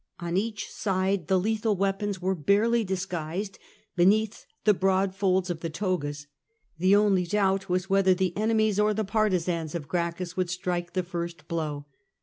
On each side the lethal weapons were barely disguised beneath the broad folds of the togas. The only doubt was whether the enemies or the partisans of Gracchus would strike the first blow.